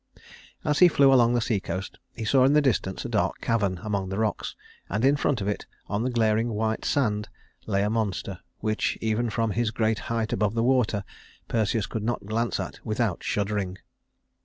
As he flew along the seacoast he saw in the distance a dark cavern among the rocks, and in front of it, on the glaring white sand, lay a monster which, even from his great height above the water, Perseus could not glance at without shuddering.